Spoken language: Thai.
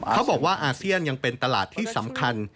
เขาบอกว่าอาเซียนยังเป็นตลาดที่สำคัญ